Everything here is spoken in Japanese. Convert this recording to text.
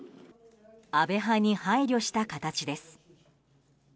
安倍派に配慮した形です。